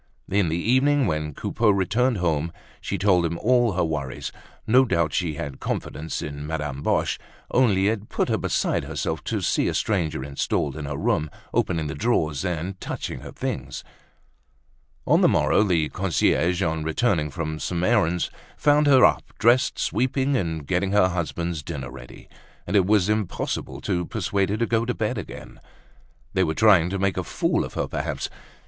In the evening, when Coupeau returned home, she told him all her worries; no doubt she had confidence in Madame Boche, only it put her beside herself to see a stranger installed in her room, opening the drawers, and touching her things. On the morrow the concierge, on returning from some errand, found her up, dressed, sweeping and getting her husband's dinner ready; and it was impossible to persuade her to go to bed again. They were trying to make a fool of her perhaps!